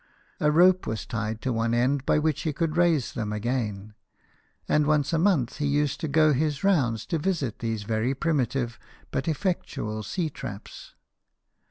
A rope was tied to one end, by which he could raise them again ; and once a month he used to go his rounds to visit these very primitive but effectual sea traps.